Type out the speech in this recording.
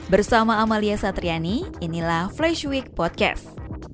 bersama amalia satriani inilah flashweek podcast